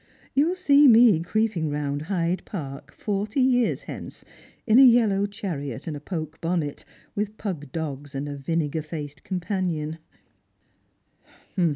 Tou will see me creeping round Hyde Park, forty years hence, in a yellow chariot and a poke bonnet, with pug dogs and a vinegar faced com panion."